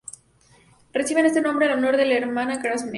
Reciben este nombre en honor de Hermann Grassmann.